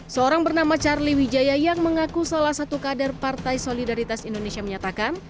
seorang bernama charlie wijaya yang mengaku salah satu kader partai solidaritas indonesia menyatakan